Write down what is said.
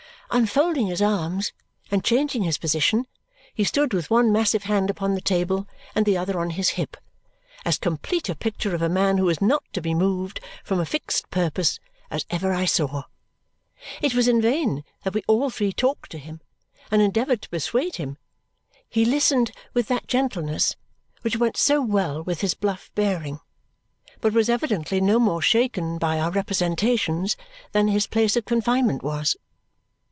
Unfolding his arms and changing his position, he stood with one massive hand upon the table and the other on his hip, as complete a picture of a man who was not to be moved from a fixed purpose as ever I saw. It was in vain that we all three talked to him and endeavoured to persuade him; he listened with that gentleness which went so well with his bluff bearing, but was evidently no more shaken by our representations that his place of confinement was.